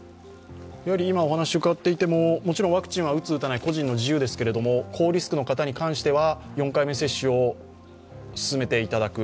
今お話伺っていても、もちろんワクチン、打つ、打たないは個人の自由ですけれども、高リスクの方に関しては４回目接種を進めていただく。